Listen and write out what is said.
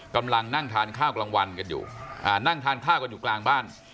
กำลังนั่งทานข้าวกลางวันกันอยู่นั่งทานข้าวกันอยู่กลางบ้าน